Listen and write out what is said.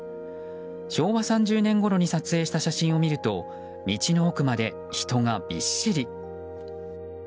昭和３０年ごろに撮影した写真を見ると道の奥まで人がびっしり。